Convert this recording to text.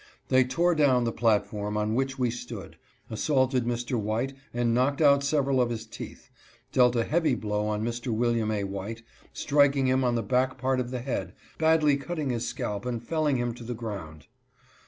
They tore down the platform on which we stood, assaulted Mr. White and knocked out several of his teeth, dealt a heavy blow on William A. White, striking him on the back part of the head, badly cutting his scalp and felling him to the ground.